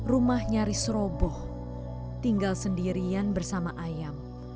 rumah nyaris roboh tinggal sendirian bersama ayam